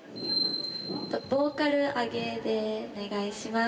ボーカル上げでお願いします。